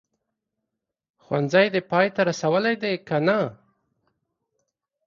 ښوونځی دي پای ته رسولی دی که نه ؟